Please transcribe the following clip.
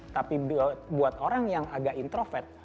tapi buat orang yang agak introvert